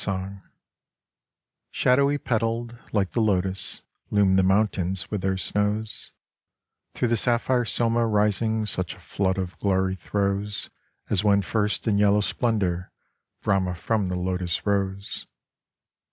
48 Strtftatt SHADOWY PETALLED, like the lotus, loom the mountains with their snows : Through the sapphire Soma rising such a flood of glory throws As when first in yellow splendour Brahma from the Lotus rose.